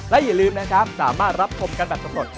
และอย่าลืมนะครับสามารถรับชมกันแบบสำรวจ